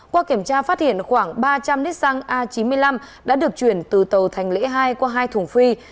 qua kiểm tra phát hiện khoảng ba trăm linh lít xăng a chín mươi năm đã được chuyển từ tàu thành lễ hai qua hai thùng phi